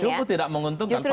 justru tidak menguntungkan